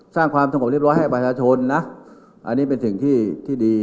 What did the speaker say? สร้างความสงบเรียบร้อยให้ประชาชนนะอันนี้เป็นสิ่งที่ที่ดี